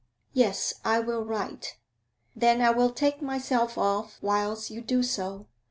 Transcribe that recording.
'Yes; I will write.' 'Then I will take myself off whilst you do so.